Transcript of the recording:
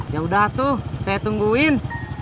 yaudah tuh saya tungguin